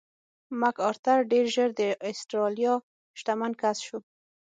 مک ارتر ډېر ژر د اسټرالیا شتمن کس شو.